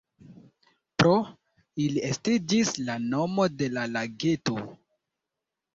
Pro ili estiĝis la nomo de la lageto.